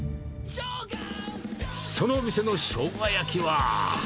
その店のしょうが焼きは。